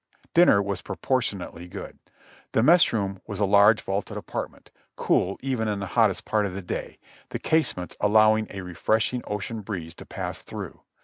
Dinner was proportionately good. The mess room was a large vaulted apartment, cool even in the hottest part of the day, the casements allowing a refreshing ocean breeze to pass through.